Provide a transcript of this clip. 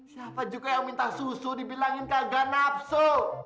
siapa juga yang minta susu dibilangin kagak nafsu